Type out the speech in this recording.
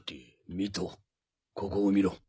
ミトここを見ろ。